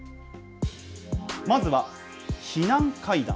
まずは避難階段。